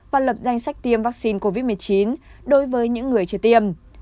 và lập danh sách tiêm vaccine covid một mươi chín đối với những người chưa tiêm